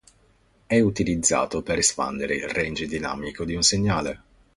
È utilizzato per espandere il range dinamico di un segnale.